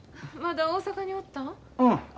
まだ大阪におったん？